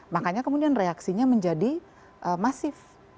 makanya kemudian reaksinya menjadi masif